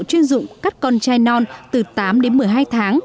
chuyên dụng cắt con chai non từ tám đến một mươi hai tháng